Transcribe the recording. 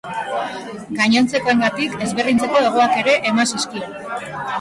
Gainontzekoengatik ezberdintzeko hegoak ere eman zizkion.